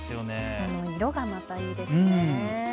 色がまたいいですね。